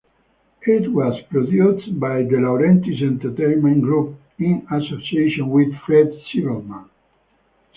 It was produced by De Laurentiis Entertainment Group in association with Fred Silverman.